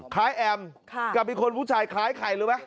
แอมกับอีกคนผู้ชายคล้ายใครรู้ไหม